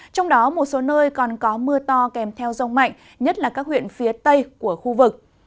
trong đó một số nơi còn có mưa to kèm theo rông mạnh nhất là các huyện phía tây của khu vực